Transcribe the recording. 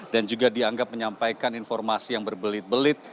dan juga dianggap menyampaikan informasi yang berbelit belit